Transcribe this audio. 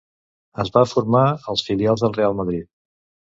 Es va formar als filials del Reial Madrid.